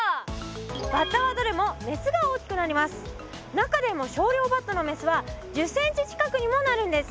中でもショウリョウバッタのメスは１０ｃｍ近くにもなるんです。